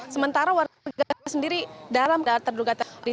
sementara warga sendiri dalam terduga teroris